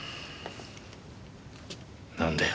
何だよ？